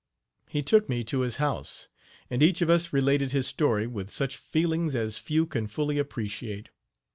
He took me to his house; and each of us related his story with such feelings as few can fully appreciate.